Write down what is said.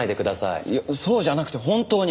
いやそうじゃなくて本当に！